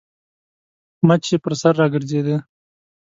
مچ يې پر سر راګرځېده.